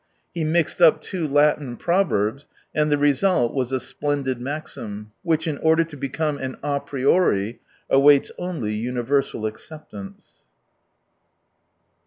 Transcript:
He mixed up two Latin proverbs, and the result was a splendid maxim which, in order to become an a priori, awaits only universal acceptance.